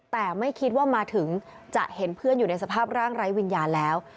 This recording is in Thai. แต่ไม่คิดว่ามาถึงจะเห็นเพื่อนอยู่ในสภาพร่างไร้วิญญาณแล้ว